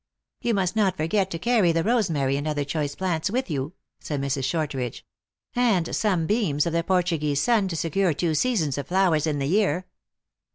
" You must not forget to carry the rosemary and other choice plants with you," said Mrs. Shortridge, " and some beams of the Portuguese sun, to secure two seasons of flowers in the year."